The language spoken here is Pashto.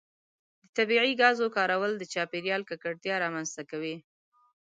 د طبیعي ګازو کارول د چاپیریال ککړتیا رامنځته کوي.